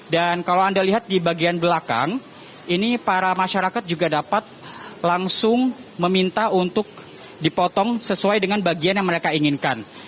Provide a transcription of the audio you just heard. dan kalau anda lihat di bagian belakang ini para masyarakat juga dapat langsung meminta untuk dipotong sesuai dengan bagian yang mereka inginkan